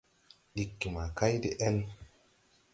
Ɗiggi ma kay de-ɛl.